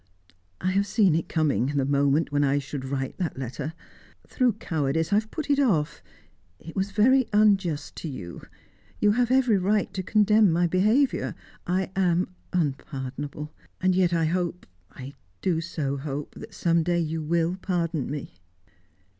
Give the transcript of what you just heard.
I have seen it coming the moment when I should write that letter. Through cowardice, I have put it off. It was very unjust to you; you have every right to condemn my behaviour; I am unpardonable. And yet I hope I do so hope that some day you will pardon me."